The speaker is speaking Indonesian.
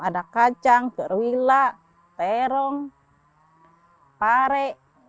ada kacang gerwila perong pare